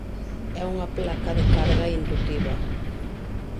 É unha placa de carga indutiva.